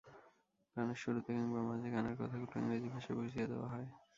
গানের শুরুতে কিংবা মাঝে গানের কথাগুলো ইংরেজি ভাষায় বুঝিয়ে দেওয়া হয়।